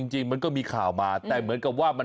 จริงมันก็มีข่าวมาแต่เหมือนกับว่ามัน